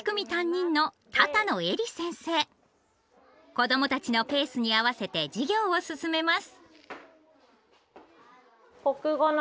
子どもたちのペースに合わせて授業を進めます。